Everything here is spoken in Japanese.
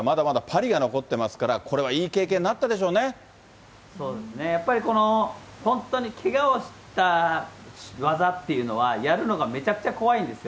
彼にはまだまだパリが残ってますから、これはいい経験になっそうですね、やっぱり、本当にけがをした技っていうのは、やるのがめちゃくちゃ怖いんですよ。